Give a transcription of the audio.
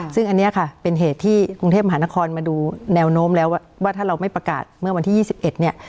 ซึ่งอันนี้ค่ะเป็นเหตุที่กรุงเทพมหานครมาดูแนวโน้มแล้วว่าถ้าเราไม่ประกาศเมื่อวันที่๒๑เนี่ย